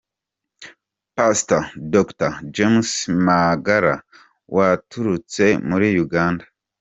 Pastor Dr. James Magara waturutse muri Uganda.